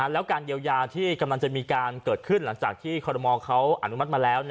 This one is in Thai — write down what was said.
แล้วการเยียวยาที่กำลังจะมีการเกิดขึ้นหลังจากที่คอรมอลเขาอนุมัติมาแล้ว